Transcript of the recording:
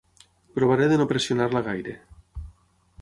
Provaré de no pressionar-la gaire.